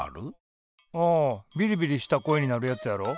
ああびりびりした声になるやつやろ。